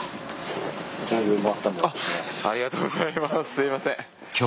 すいません。